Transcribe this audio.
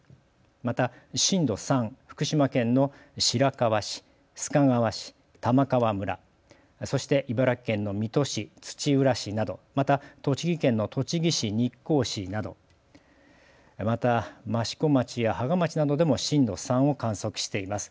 また震度３を福島県の白河市須賀川市、玉川村そして茨城県の水戸市、土浦市など、また栃木県の栃木市日光市など、また益子町や芳賀町などでも震度３を観測しています。